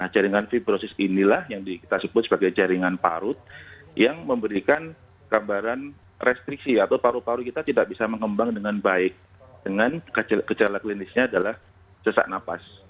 jaringan fibrosis inilah yang kita sebut sebagai jaringan parut yang memberikan gambaran restriksi atau paru paru kita tidak bisa mengembang dengan baik dengan gejala klinisnya adalah sesak napas